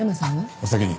お先に。